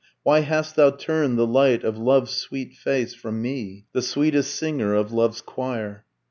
Why hast thou turned the light of Love's sweet face From me, the sweetest singer of Love's choir?"